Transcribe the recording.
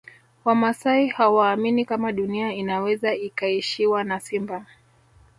Wamasai hawaamini kama Dunia inaweza ikaishiwa na simba